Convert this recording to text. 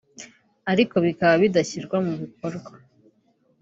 ariko bikaba bidashyirwa mu bikorwa